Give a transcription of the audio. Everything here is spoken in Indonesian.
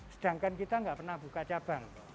sedangkan kita nggak pernah buka cabang